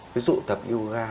ví dụ tập yoga